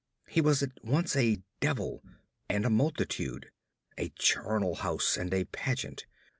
He was at once a devil and a multitude, a charnel house and a pageant.